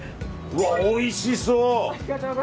うわ、おいしそう！